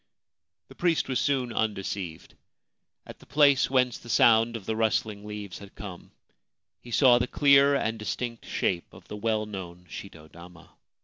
The priest was soon undeceived. At the place whence the sound of the rustling leaves had come, he saw the clear and distinct shape of the well known shito dama.